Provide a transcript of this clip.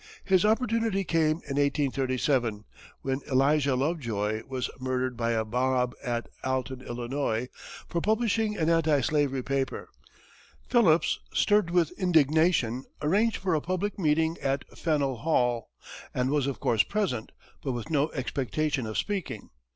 His opportunity came in 1837, when Elijah Lovejoy was murdered by a mob at Alton, Illinois, for publishing an anti slavery paper. Phillips, stirred with indignation, arranged for a public meeting at Faneuil Hall, and was of course present, but with no expectation of speaking.